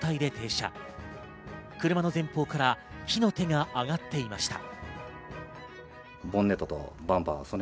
車の前方から火の手があがっていました。